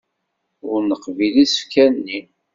Ur neqbil isefka-nni.